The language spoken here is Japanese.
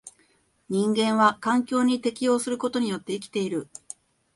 人間は環境に適応することによって生きている。